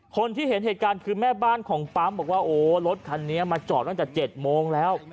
คนที่เห็นเหตุการณ์คือแม่บ้านของปั๊มบอกว่าโอ้รถคันนี้มาจอดตั้งแต่๗โมงแล้ว